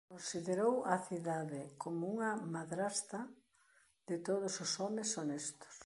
Considerou a cidade como unha "madrasta de todos os homes honestos".